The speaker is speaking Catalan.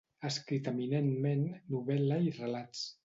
Ha escrit eminentment novel·la i relats.